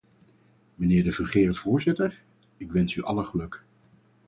Mijnheer de fungerend voorzitter, ik wens u alle geluk.